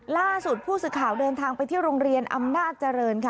ล่าสุดผู้สื่อข่าวเดินทางไปที่โรงเรียนอำนาจเจริญค่ะ